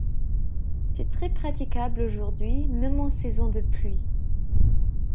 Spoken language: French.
C'est très praticable aujourd'hui même en saison de pluie.